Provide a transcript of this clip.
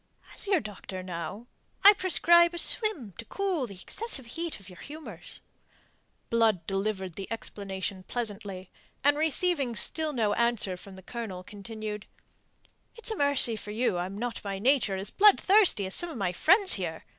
"As your doctor, now, I prescribe a swim to cool the excessive heat of your humours." Blood delivered the explanation pleasantly, and, receiving still no answer from the Colonel, continued: "It's a mercy for you I'm not by nature as bloodthirsty as some of my friends here.